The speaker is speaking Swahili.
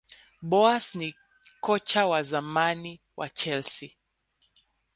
boas ni kocha wa zamani wa chelsea